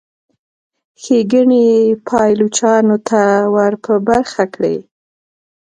ښېګڼې یې پایلوچانو ته ور په برخه کړي.